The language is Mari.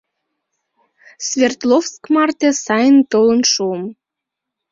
Свердловск марте сайынак толын шуым.